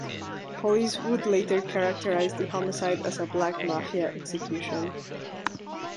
Police would later characterize the homicide as a Black Mafia execution.